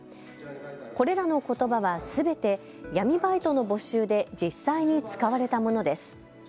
これらのことばはすべて闇バイトの募集で実際に使われたものです。